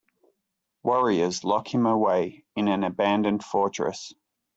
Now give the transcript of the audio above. Warriors lock him away in an abandoned fortress.